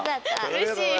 うれしい。